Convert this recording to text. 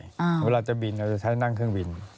เวลาจะบินเราจะใช้นั่งเครื่องบิน